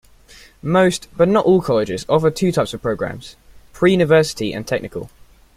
Most, but not all colleges offer two types of programs: pre-university and technical.